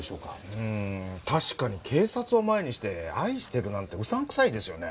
うん確かに警察を前にして愛してるなんてうさんくさいですよね。